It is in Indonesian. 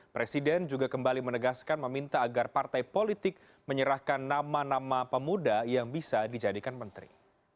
presiden juga kembali menegaskan meminta agar partai politik menyerahkan nama nama pemuda yang bisa dijadikan menteri